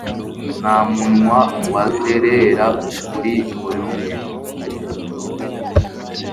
nta munwa wazerera kuri buri umwe